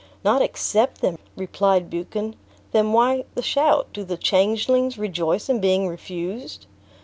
"Not accept them!" replied Buchan; "then why the shout? Do the changelings rejoice in being refused?"